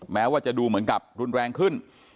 แม้ว่าจะดูเหมือนกับรุนแรงขึ้น